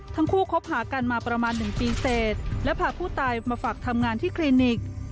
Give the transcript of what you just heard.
คบหากันมาประมาณ๑ปีเสร็จและพาผู้ตายมาฝากทำงานที่คลินิก